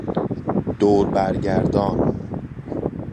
دوربرگردان